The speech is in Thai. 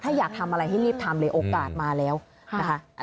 ถ้าอยากทำอะไรให้รีบทำเลยโอกาสมาแล้วนะคะ